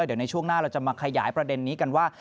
เดี๋ยวในช่วงหน้าเราจะมาขยายประเด็นนี้กันว่า